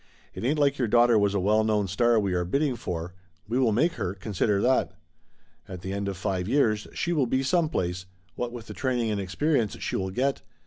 It ain't like your daughter was a well known star we are bidding for. We will make her, consider that! At the end of five years she will be some place, what with the training and experience she will get.